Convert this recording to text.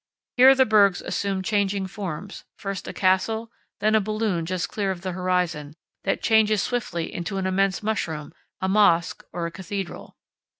Here the bergs assume changing forms, first a castle, then a balloon just clear of the horizon, that changes swiftly into an immense mushroom, a mosque, or a cathedral.